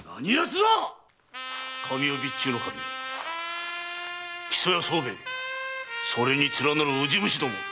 神尾備中守木曽屋宗兵衛それに連なる蛆虫ども！